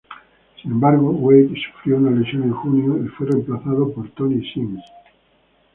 Sin embargo, Wade sufrió una lesión en julio y fue reemplazado por Tony Sims.